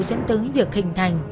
dẫn tới việc hình thành